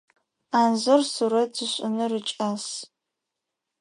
Анзор сурэт ышӏыныр икӏас.